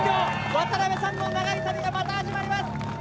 渡邊さんの長い旅がまた始まります。